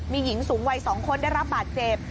มีหญิงสูงวัย๒คนได้รับบาดเจ็บ